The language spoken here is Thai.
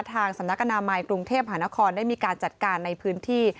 ทางสำนักอนามัยกรุงเทพหานครได้มีการจัดการในพื้นที่